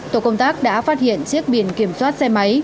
tổ công tác đã phát hiện chiếc biển kiểm soát xe máy